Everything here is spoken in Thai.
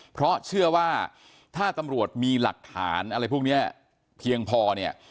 เพราะเชื่อว่าถ้าตำรวจมีหลักฐานอะไรพวกนี้เพียงพอเนี่ย